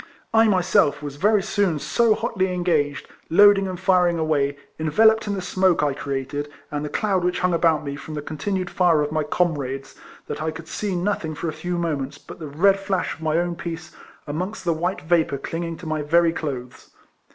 I myself was very soon so hotly engaged, loading and firing away, enveloped in the smoke I created, and the cloud which hung about me from the continued fire of my comrades, that I could see nothing for a few minutes but the red flash of my own piece amongst the white vapour clinging to my very clothes.